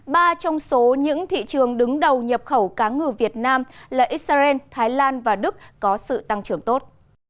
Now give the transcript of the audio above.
ba trong số những thị trường đứng đầu nhập khẩu cá ngừ việt nam là israel thái lan và đức có sự tăng trưởng tốt